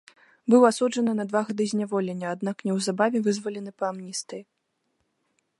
Быў асуджаны на два гады зняволення, аднак неўзабаве вызвалены па амністыі.